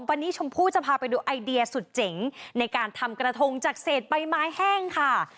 วันนี้ชมพู่จะพาไปดูไอเดียสุดเจ๋งในการทำกระทงจากเศษใบไม้แห้งค่ะ